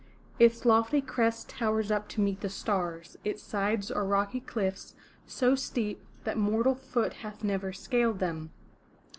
Its lofty crest towers up to meet the stars; its sides are rocky cliffs so steep that mortal foot hath never scaled them.